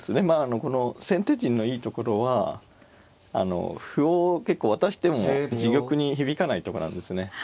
まああのこの先手陣のいいところは歩を結構渡しても自玉に響かないとこなんですね。